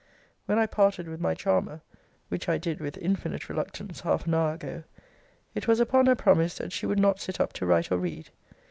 When I parted with my charmer, (which I did, with infinite reluctance, half an hour ago,) it was upon her promise that she would not sit up to write or read.